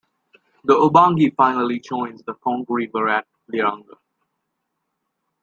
The Ubangi finally joins the Congo River at Liranga.